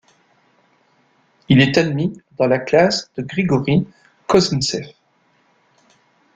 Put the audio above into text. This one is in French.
Il est admis dans la classe de Grigori Kozintsev.